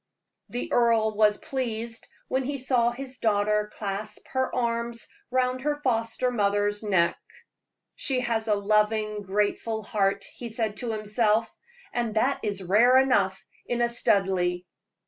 The earl was pleased when he saw his daughter clasp her arms round her foster mother's neck. "She has a loving, grateful heart," he said to himself, "and that is rare enough in a Studleigh."